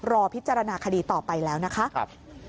รอพิจารณาคดีต่อไปแล้วนะคะ